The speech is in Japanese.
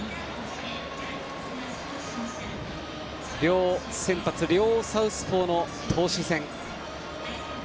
両先発、両サウスポーの投手戦。